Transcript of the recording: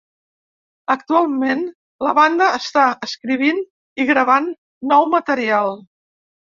Actualment la banda està escrivint i gravant nou material.